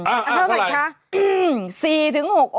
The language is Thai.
อันเท่าไรคะอันเท่าไร